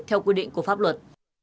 theo quy định của pháp luật